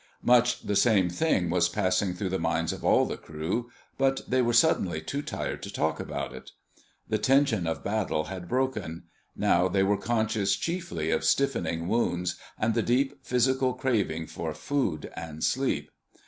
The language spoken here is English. Much the same thing was passing through the minds of all the crew, but they were suddenly too tired to talk about it. The tension of battle had broken. Now they were conscious chiefly of stiffening wounds and the deep, physical craving for food and sleep.